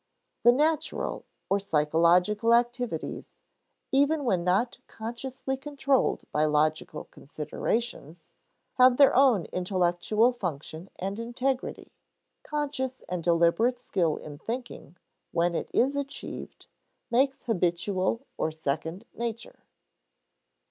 The natural or psychological activities, even when not consciously controlled by logical considerations, have their own intellectual function and integrity; conscious and deliberate skill in thinking, when it is achieved, makes habitual or second nature.